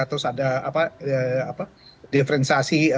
terus ada diferensiasi